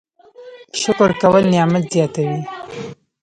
شکر کول نعمت زیاتوي